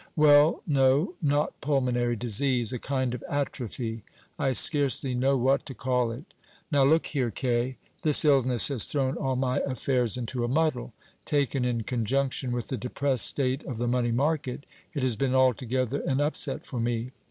"Well, no; not pulmonary disease. A kind of atrophy. I scarcely know what to call it. Now, look here, Kaye. This illness has thrown all my affairs into a muddle. Taken in conjunction with the depressed state of the money market, it has been altogether an upset for me.